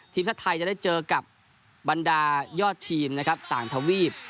ทีมที่สักทายจะได้เจอกับบรรดายอดทีมต่างทวีป